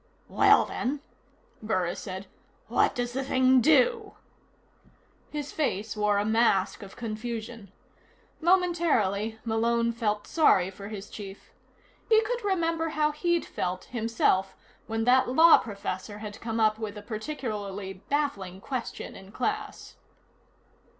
"Well, then," Burris said, "what does the thing do?" His face wore a mask of confusion. Momentarily, Malone felt sorry for his chief. He could remember how he'd felt, himself, when that law professor had come up with a particularly baffling question in class.